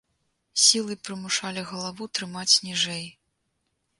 Сілай прымушалі галаву трымаць ніжэй.